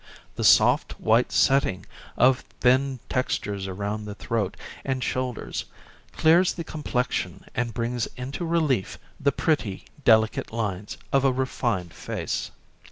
The soft, white setting of thin textures around the throat and shoulders clears the complexion and brings into relief the pretty, delicate lines of a refined face.